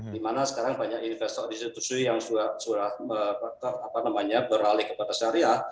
di mana sekarang banyak investor investor institusi yang sudah apa namanya beralih kepada syariah